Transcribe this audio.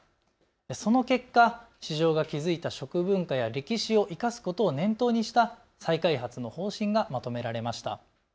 その結果、市場が築いた食文化や歴史を生かすことを念頭にした再開発の方針がまとめられました。